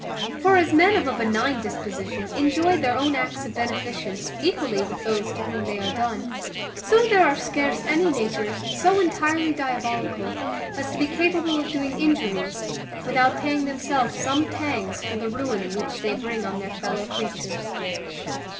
For as men of a benign disposition enjoy their own acts of beneficence equally with those to whom they are done, so there are scarce any natures so entirely diabolical, as to be capable of doing injuries, without paying themselves some pangs for the ruin which they bring on their fellow creatures.